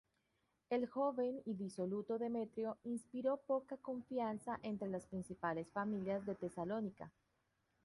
El joven y disoluto, Demetrio inspiró poca confianza entre las principales familias de Tesalónica.